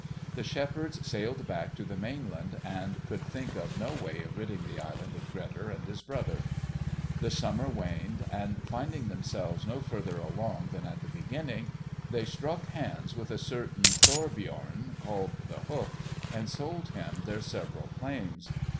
The shepherds sailed back to the mainland, and could think of no way of ridding the island of Grettir and his brother. The summer waned, and finding themselves no further along than at the beginning, they struck hands with a certain Thorbjorn, called The Hook, and sold him their several claims.